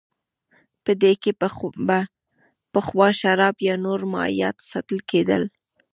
په دې کې به پخوا شراب یا نور مایعات ساتل کېدل